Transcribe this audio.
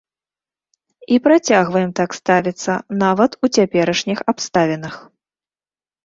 І працягваем так ставіцца нават у цяперашніх абставінах.